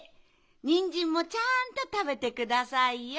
ニンジンもちゃんとたべてくださいよ。